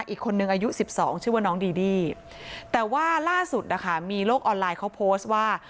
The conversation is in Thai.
อีกคนนึงอายุ๑๒ชื่อว่าน้องดีดี้แต่ว่าล่าสุดนะคะมีโลกออนไลน์เขาโพสต์ว่า